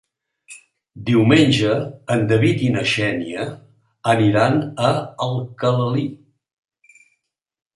Diumenge en David i na Xènia aniran a Alcalalí.